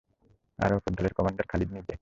আর অপর দলের কমান্ডার খালিদ নিজে।